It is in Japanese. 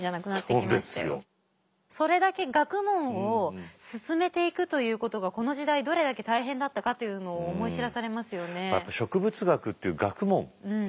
それだけ学問を進めていくということがこの時代どれだけ大変だったかというのを思い知らされますよね。